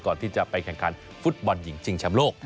ก่อนที่จะไปแข่งขันฟุตบอลหญิงชิงชำโลก